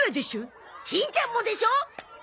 しんちゃんもでしょ！